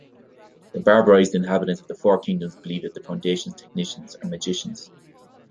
The barbarized inhabitants of the four kingdoms believe that the Foundation's technicians are magicians.